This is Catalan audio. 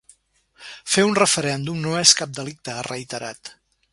Fer un referèndum no és cap delicte, ha reiterat.